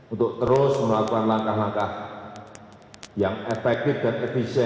untuk terus melakukan langkah langkah yang efektif dan efisien